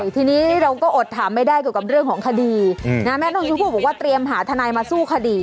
ทีนี้เราก็อดถามไม่ได้เกี่ยวกับเรื่องของคดีแม่น้องชมพู่บอกว่าเตรียมหาทนายมาสู้คดี